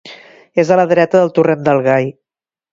És a la dreta del Torrent del Gai.